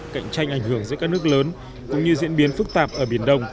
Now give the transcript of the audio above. cạnh tranh ảnh hưởng giữa các nước lớn cũng như diễn biến phức tạp ở biển đông